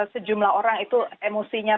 sejumlah orang itu emosinya